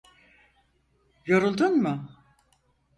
Yoruldun mu?